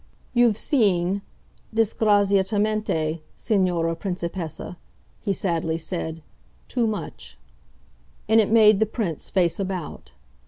"You've seen, disgraziatamente, signora principessa," he sadly said, "too much" and it made the Prince face about.